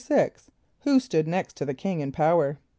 = Who stood next to the king in power?